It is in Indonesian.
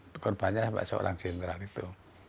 berbanyak seorang jenderal itu